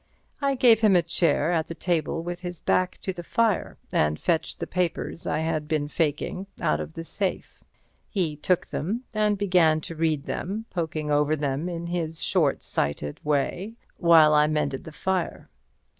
I gave him a chair at the table with his back to the fire, and fetched the papers I had been faking, out of the safe. He took them, and began to read them, poking over them in his short sighted way, while I mended the fire.